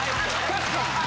確かに。